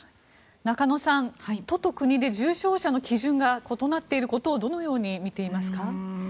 中野さん、都と国で重症者の基準が異なっていることをどのように見ていますか？